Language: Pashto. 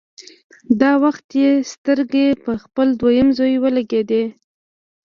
دا وخت يې سترګې په خپل دويم زوی ولګېدې.